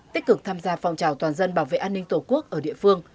tích cực tham gia phòng trào toàn dân bảo vệ an ninh tổ quốc ở địa phương